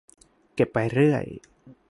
เก็บไปเรื่อย